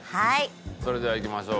それではいきましょう。